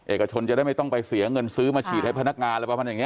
เอกชนจะได้ไม่ต้องไปเสียเงินซื้อมาฉีดให้พนักงานอะไรประมาณอย่างนี้